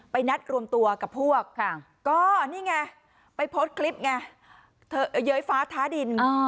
นัดรวมตัวกับพวกก็นี่ไงไปโพสต์คลิปไงเย้ยฟ้าท้าดิน